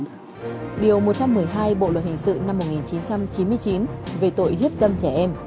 điều một trăm một mươi hai bộ luật hình sự năm một nghìn chín trăm chín mươi chín về tội hiếp dâm trẻ em